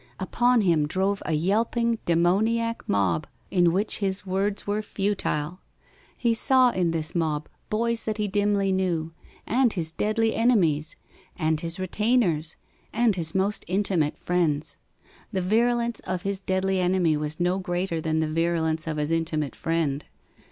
Upon him drove a yelping demoniac mob, to which his words were futile. He saw in this mob boys that he dimly knew, and his deadly enemies, and his retainers, and his most intimate friends. The virulence of his deadly enemy was no greater than the virulence of his intimate friend.